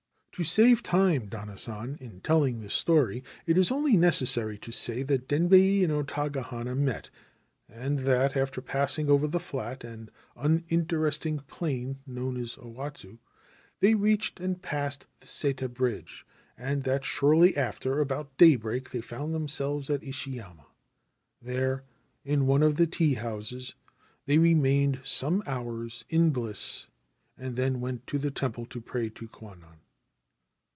' To save time, Danna San, in telling this story it is only necessary to say that Denbei and O Taga hana met, and that, after passing over the flat and uninteresting plain known as Awatsu, they reached and passed the Seta Bridge, and that shortly after, about daybreak, they found themselves at Ishiyama. There, in one of the tea houses, they remained some hours in bliss, and then went to the temple to pray to Kwannon.